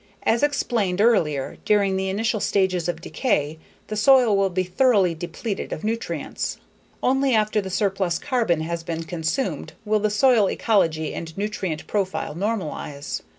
As explained earlier, during the initial stages of decay the soil will be thoroughly depleted of nutrients. Only after the surplus carbon has been consumed will the soil ecology and nutrient profile normalize.